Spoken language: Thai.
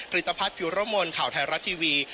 ิตภัทรพิรมลข่าวไทยรัฐทีวี